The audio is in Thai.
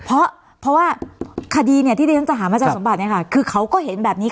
เพราะว่าคดีที่ดิฉันจะหามาจากสมบัติคือเขาก็เห็นแบบนี้